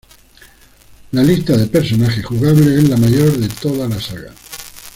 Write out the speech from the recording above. La lista de personajes jugables es la mayor de toda la saga.